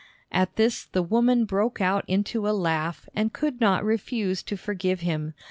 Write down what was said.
At this the woman broke out into a laugh and could not refuse to forgive him.